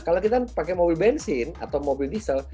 kalau kita pakai mobil bensin atau mobil diesel